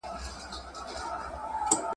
سياستپوهانو د قدرت پر سر ډېر بحثونه کړي وو.